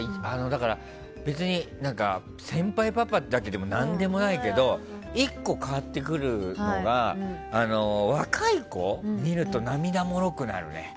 別に先輩パパってわけでも何でもないけど１個、変わってくるのが若い子を見ると涙もろくなるね。